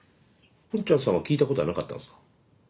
ポンちゃんさんは聞いたことはなかったんすか？